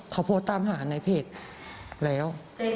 เขาโพสต์ตามหาในเพจแล้ว